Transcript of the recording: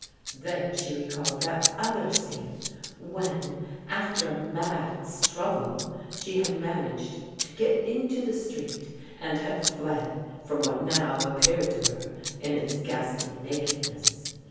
Then she recalled that other scene, when, after a mad struggle, she had managed to get into the street, and had fled from what now appeared to her in its ghastly naked ness.